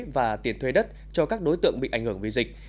và tiền thuê đất cho các đối tượng bị ảnh hưởng vì dịch